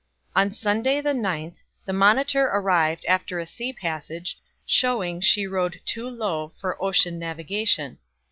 On Sunday, the ninth, the Monitor arrived after a sea passage, showing she rode too low for ocean navigation.